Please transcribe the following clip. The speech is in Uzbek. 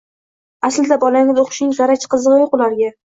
Aslida bolangiz o‘qishining zarracha qizig‘i yo‘q ularga.